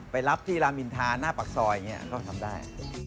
ไปรับที่ลามินทานหน้าปากซอยก็ทำได้